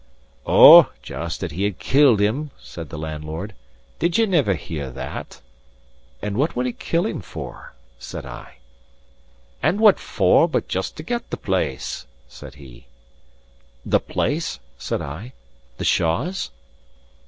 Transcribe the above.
"Ou, just that he had killed him," said the landlord. "Did ye never hear that?" "And what would he kill him for?" said I. "And what for, but just to get the place," said he. "The place?" said I. "The Shaws?"